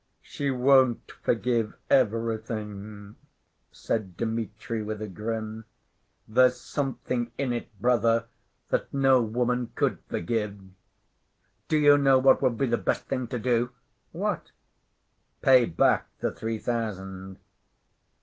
"She won't forgive everything," said Dmitri, with a grin. "There's something in it, brother, that no woman could forgive. Do you know what would be the best thing to do?" "What?" "Pay back the three thousand."